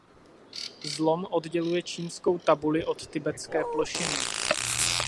Zlom odděluje Čínskou tabuli od Tibetské plošiny.